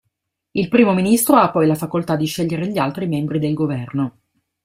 Il primo ministro ha poi la facoltà di scegliere gli altri membri del governo.